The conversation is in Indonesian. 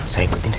saya ikutin deh